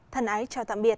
thân ái chào tạm biệt